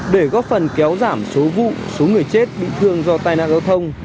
để góp phần kéo giảm số vụ số người chết bị thương do tai nạn giao thông